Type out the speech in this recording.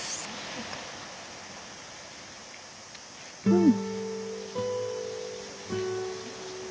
うん。